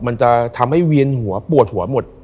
มันจะทำให้เวียนหัวปวดหัวหมด